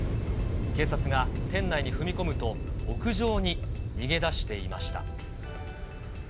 警察が店内に踏み込むと、屋上に逃げ出していました。